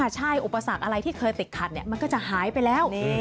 ใช่อุปสรรคอะไรที่เคยติดขัดมันก็จะหายไปแล้ว